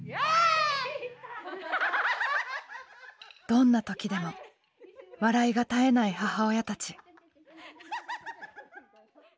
どんな時でも笑いが絶えない母親たち。